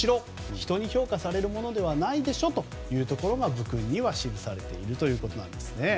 人に評価されるものではないということが部訓に記されているということです。